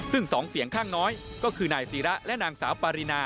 ซึ่ง๒เสียงข้างน้อยก็คือนายศิระและนางสาวปารีนา